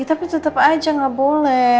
ya tapi tetap aja gak boleh